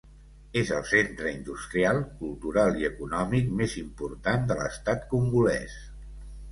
És el centre industrial, cultural i econòmic més important de l'estat congolès.